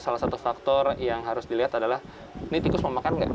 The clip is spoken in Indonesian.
salah satu faktor yang harus dilihat adalah ini tikus mau makan nggak